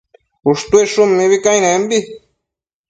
Ushtuidshun mibi cainembi